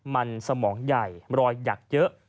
มันสมองใหญ่รอยหยักเยอะ